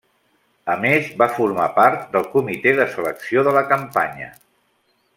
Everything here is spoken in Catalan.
A més va formar part del comitè de selecció de la campanya.